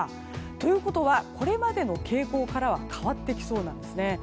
ということはこれまでの傾向からは変わってきそうなんですね。